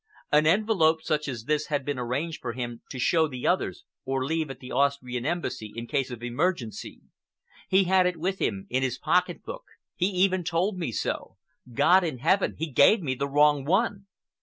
An envelope such as this had been arranged for him to show the others or leave at the Austrian Embassy in case of emergency. He had it with him in his pocket book. He even told me so. God in Heaven, he gave me the wrong one!"